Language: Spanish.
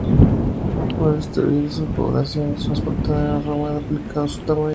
Fue destruida y su población transportada a Roma, duplicando su tamaño.